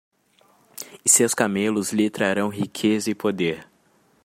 E seus camelos lhe trarão riqueza e poder.